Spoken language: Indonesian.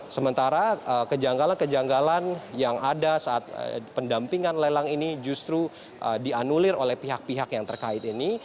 sementara kejanggalan kejanggalan yang ada saat pendampingan lelang ini justru dianulir oleh pihak pihak yang terkait ini